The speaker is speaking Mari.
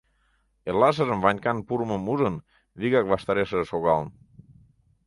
Эрлашыжым Ванькан пурымым ужын, вигак ваштарешыже шогалын.